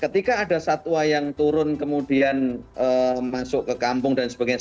ketika ada satwa yang turun kemudian masuk ke kampung dan sebagainya